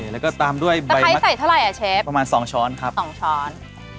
แล้วก็ตามด้วยตะไคร้ใส่เท่าไหร่อ่ะเชฟประมาณสองช้อนครับสองช้อน